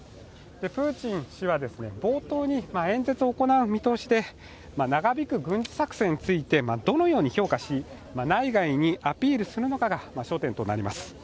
プーチン氏は冒頭に演説を行う見通しで、長引く軍事作戦をどのように評価し、内外にアピールするのかが焦点となります。